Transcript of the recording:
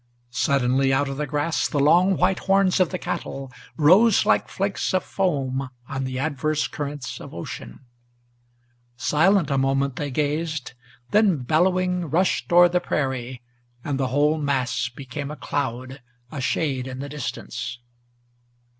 Suddenly out of the grass the long white horns of the cattle Rose like flakes of foam on the adverse currents of ocean. Silent a moment they gazed, then bellowing rushed o'er the prairie, And the whole mass became a cloud, a shade in the distance.